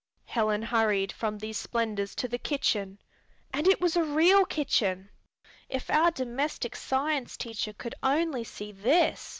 Helen hurried from these splendors to the kitchen. And it was a real kitchen! "If our domestic science teacher could only see this!"